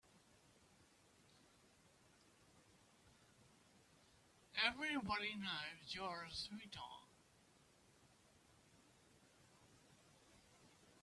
Everybody knows you're a sweetheart.